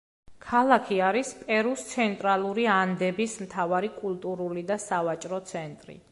ქალაქი არის პერუს ცენტრალური ანდების მთავარი კულტურული და სავაჭრო ცენტრი.